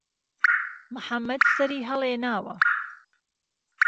محەممەد سهری ههڵێناوه